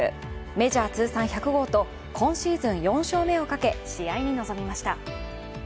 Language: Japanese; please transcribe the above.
メジャー通算１００号と、今シーズン４勝目をかけ、試合に臨みました。